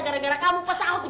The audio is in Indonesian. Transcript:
gara gara kamu pesawat tuh